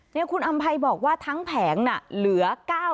นี่คุณอำภัยบอกว่าทั้งแผงน่ะเหลือ๙๐๐